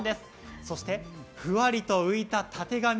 そしてふわりと浮いたたてがみ。